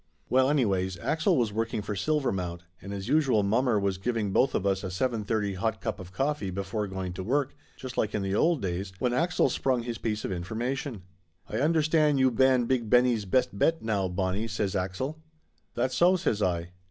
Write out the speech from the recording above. Well anyways, Axel was working for Silvermount, and as usual mommer was giving both of us a 7 : 30 hot cup of coffee before going to work, just like in the old days, when Axel sprung his piece of informa tion. Laughter Limited 179 "Ay understand you ban Big Benny's best bet now, Bonnie," says Axel. "That so?" says I.